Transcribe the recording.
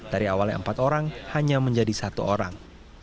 dari awalnya empat orang hanya menjadi satu orang